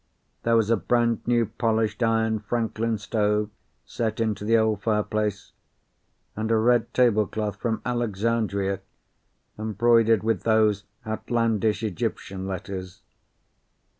There was a brand new polished iron Franklin stove set into the old fireplace, and a red table cloth from Alexandria embroidered with those outlandish Egyptian letters.